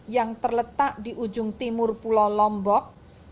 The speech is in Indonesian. yang terletak di ujung timur pulau lombok